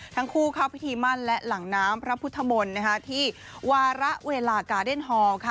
ทั้งคู่เข้าพิธีมั่นและหลังน้ำพระพุทธมนต์ที่วาระเวลากาเดนฮอลค่ะ